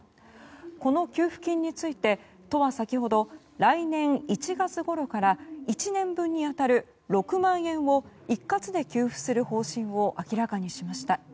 この給付金について、都は先ほど来年１月ごろから１年分に当たる６万円を一括で給付する方針を明らかにしました。